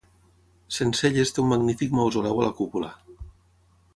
Centcelles té un magnífic mausoleu a la cúpula.